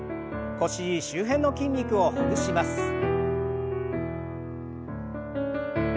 腰周辺の筋肉をほぐします。